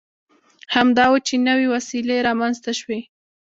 همدا و چې نوې وسیلې رامنځته شوې.